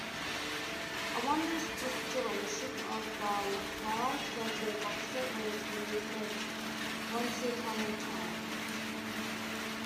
A one-disc distillation of the highlights of the box set was released as Wonsuponatime.